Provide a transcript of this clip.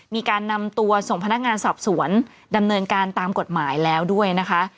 มีการนำตัวส่งพนักงานสอบสวนดำเนินการตามกฎหมายแล้วด้วยนะคะ